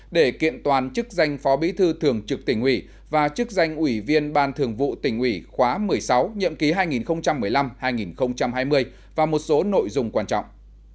để kiện toàn chức danh phó bí thư thường trực tỉnh ủy và chức danh ủy viên ban thường vụ tỉnh ủy khóa một mươi sáu nhiệm ký hai nghìn một mươi năm hai nghìn hai mươi và một số nội dung quan trọng